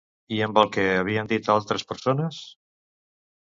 I amb el que havien dit altres persones?